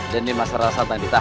dan di masalah satan kita